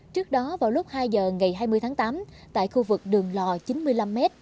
trước đó vào lúc hai giờ ngày hai mươi tháng tám tại khu vực đường lò chín mươi năm m